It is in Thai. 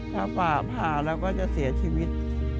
ถ้าฝ่าผ่าแล้วก็จะเสียชีวิต